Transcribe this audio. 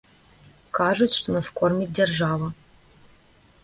Кажуць, што нас корміць дзяржава.